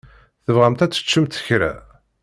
Tebɣamt ad teččemt kra?